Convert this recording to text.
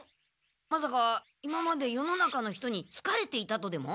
まさか今まで世の中の人にすかれていたとでも？